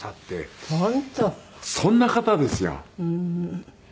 そんな方ですよ。